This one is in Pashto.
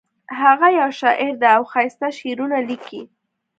هغه یو شاعر ده او ښایسته شعرونه لیکي